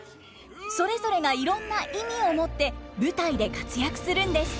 それぞれがいろんな意味を持って舞台で活躍するんです。